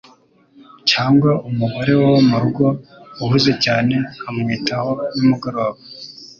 Cyangwa umugore wo murugo uhuze cyane amwitaho nimugoroba: